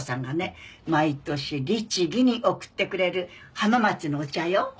毎年律義に送ってくれる浜松のお茶よ。